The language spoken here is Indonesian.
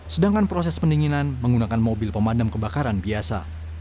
sedangkan proses pendinginan menggunakan mobil pemadam kebakaran biasa